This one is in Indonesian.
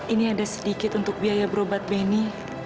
ini ada sedikit untuk biaya berobat beni